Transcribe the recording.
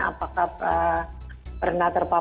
apakah pernah terpaksa